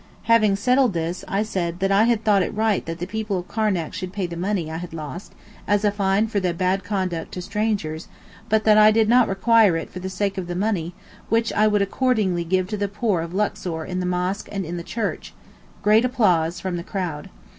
Having settled this, I said that I had thought it right that the people of Karnac should pay the money I had lost, as a fine for their bad conduct to strangers, but that I did not require it for the sake of the money, which I would accordingly give to the poor of Luxor in the mosque and in the church (great applause from the crowd).